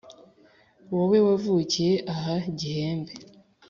wowe wavukiye aha gihembe: